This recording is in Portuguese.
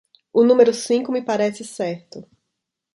O número cinco me parece certo.